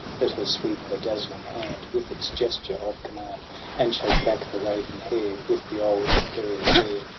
Let her sweep her dazzling hand With its gesture of command, And shake back her raven hair With the old imperious air